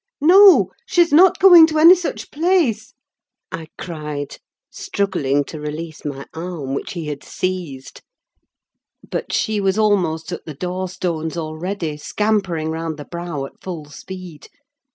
"No, she's not going to any such place," I cried, struggling to release my arm, which he had seized: but she was almost at the door stones already, scampering round the brow at full speed.